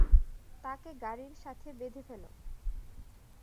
তাকে গাড়ির সাথে বেধে ফেল।